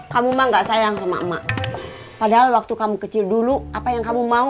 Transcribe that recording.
kamu mah enggak sayang sama emak padahal waktu kamu kecil dulu apa yang kamu mau